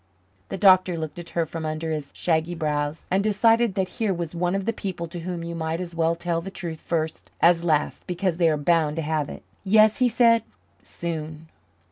The doctor looked at her from under his shaggy brows and decided that here was one of the people to whom you might as well tell the truth first as last, because they are bound to have it. "Yes," he said. "Soon?"